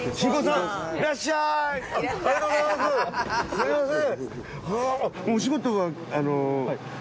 すみません。